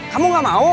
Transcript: kamu gak mau